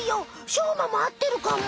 しょうまもあってるかも！